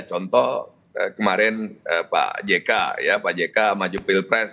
contoh kemarin pak jk ya pak jk maju pilpres